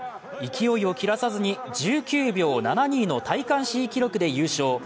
勢いを切らさずに１９秒７２の大会新記録で優勝。